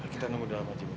kita nunggu dalam aja mbak